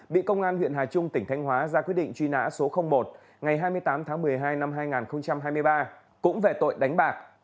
bị công an huyện hà trung tỉnh thanh hóa ra quyết định truy nã số một ngày hai mươi tám tháng một mươi hai năm hai nghìn hai mươi ba cũng về tội đánh bạc